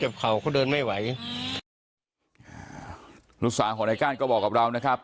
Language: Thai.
หัวในก้านก็บอกกับเรานะครับ